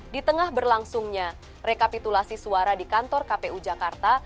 di tengah berlangsungnya rekapitulasi suara di kantor kpu jakarta